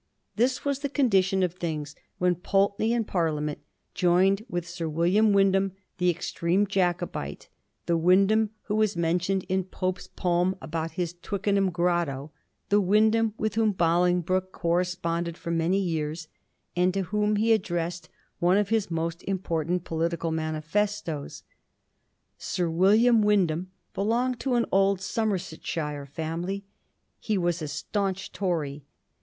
This was the condition of things when Pulteney, in Parliament, joined with Sir William Wyndham, the extreme Jacobite, the Wyndham who is mentioned in Pope's poem about his Twickenham grotto, the Wyndham with whom Bolingbroke corresponded for many years, and to whom he addressed one of his most important political manifestoes. Sir William Wyndham be longed to an old Somersetshire family. He was a staimch Tory.